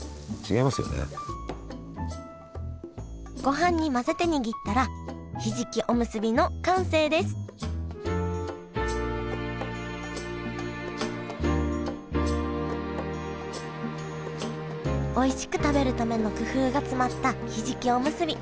ごはんに混ぜて握ったらひじきおむすびの完成ですおいしく食べるための工夫が詰まったひじきおむすび。